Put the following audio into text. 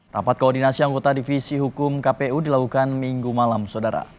rapat koordinasi anggota divisi hukum kpu dilakukan minggu malam saudara